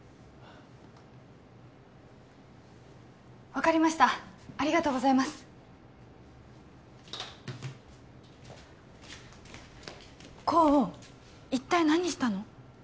分かりましたありがとうございます功一体何したの？